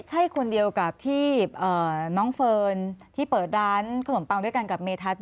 ใช่คนเดียวกับที่น้องเฟิร์นที่เปิดร้านขนมปังด้วยกันกับเมธัศน